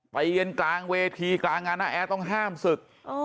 เย็นกลางเวทีกลางงานน้าแอร์ต้องห้ามศึก